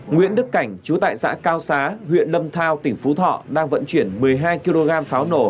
nguyễn đức cảnh chú tại xã cao xá huyện lâm thao tỉnh phú thọ đang vận chuyển một mươi hai kg pháo nổ